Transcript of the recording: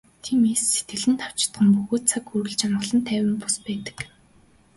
Тиймээс сэтгэл нь давчхан бөгөөд цаг үргэлж амгалан тайван бус байдаг.